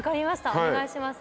お願いします。